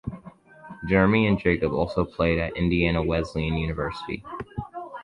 Jeremy and Jacob also played at Indiana Wesleyan University.